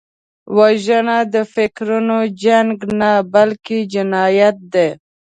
وژنه د فکرونو جنګ نه، بلکې جنایت دی